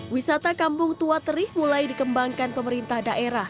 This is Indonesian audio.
wisata kampung tua teri mulai dikembangkan pemerintah daerah